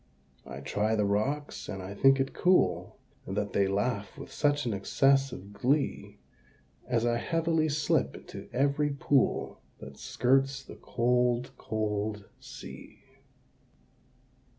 I try the rocks, and I think it cool That they laugh with such an excess of glee, As I heavily slip into every pool That skirts the cold cold Sea.